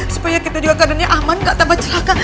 supaya kita juga keadaannya aman gak tambah celaka